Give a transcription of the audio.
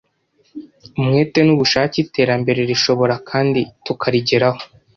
umwete n'ubushake, iterambere rishoboka kandi tukarigeraho